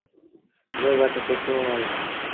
اُئي وٽ ٽپڻو اهي۔